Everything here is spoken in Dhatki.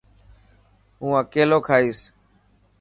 ها هون اڪيلو کائيس.